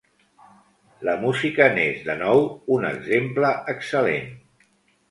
La música n'és, de nou, un exemple excel·lent.